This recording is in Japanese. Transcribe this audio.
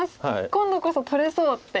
今度こそ取れそうって。